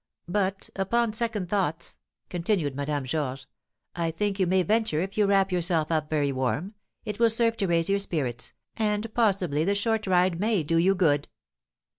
But, upon second thoughts," continued Madame Georges, "I think you may venture if you wrap yourself up very warm; it will serve to raise your spirits, and possibly the short ride may do you good."